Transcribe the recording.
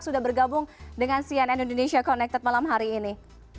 sudah bergabung dengan cnn indonesia connected malam hari ini